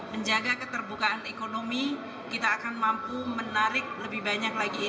menjaga keterbukaan ekonomi kita akan mampu menarik lebih banyak lagi industri